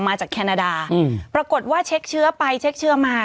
มาจากแคนาดาปรากฏว่าเช็คเชื้อไปเช็คเชื้อมา